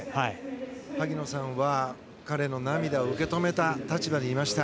萩野さんは彼の涙を受け止めた立場でいました。